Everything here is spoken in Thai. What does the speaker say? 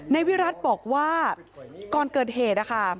วิรัติบอกว่าก่อนเกิดเหตุนะคะ